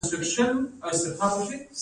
مدني ټولنه نظارت کوي